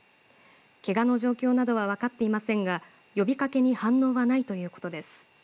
けがの状況などは分かっていませんが呼びかけに反応はないということです。